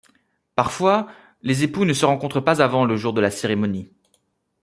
Parfois, les époux ne se rencontrent pas avant le jour de la cérémonie.